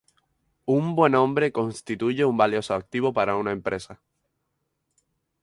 Un buen nombre constituye un valioso activo para una empresa.